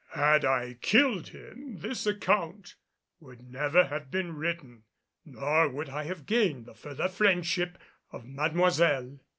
Had I killed him this account would never have been written, nor would I have gained the further friendship of Mademoiselle.